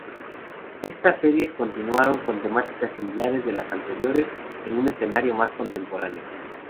Estas series continuaron con temáticas similares de las anteriores, en un escenario más contemporáneo.